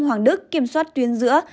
hoàng đức kiểm soát tuyến giữa